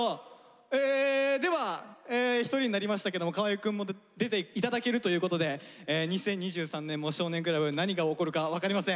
えでは一人になりましたけども河合くんも出て頂けるということで２０２３年も「少年倶楽部」何が起こるか分かりません。